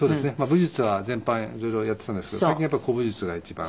武術は全般色々やってたんですけど最近はやっぱり古武術が一番。